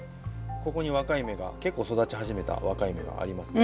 ここに若い芽が結構育ち始めた若い芽がありますので。